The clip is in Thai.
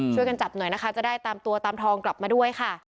ช่วยกันจับหน่อยนะคะจะได้ตามตัวตามทองกลับมาด้วยค่ะ